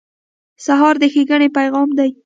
سهار د ښېګڼې پیغام دی.